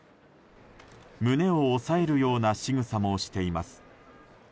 胸を押さえるようなしぐさもしています。